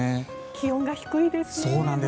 気温が低いですね。